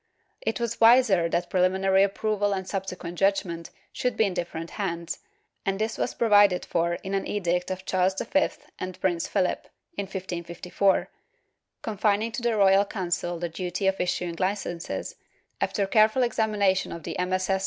^ It was wiser that preliminary approval and subsequent judgement should be in different hands, and this was provided for in an edict of Charles V and Prince Philip, in 1554, confining to the Royal Council the duty of issuing licences, after careful examination of the MSS.